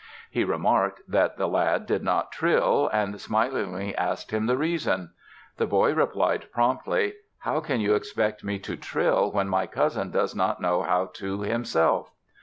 He remarked that the lad did not trill, and smilingly asked him the reason. The boy replied promptly: 'How can you expect me to trill when my cousin does not know how to himself?